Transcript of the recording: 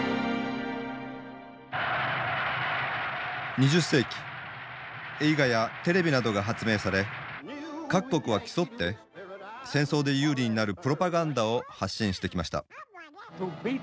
２０世紀映画やテレビなどが発明され各国は競って戦争で有利になるプロパガンダを発信してきました。